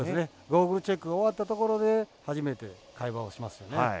ゴーグルチェック終わったところで初めて会話をしますよね。